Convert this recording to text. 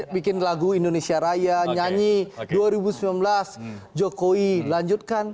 bikin lagu indonesia raya nyanyi dua ribu sembilan belas jokowi lanjutkan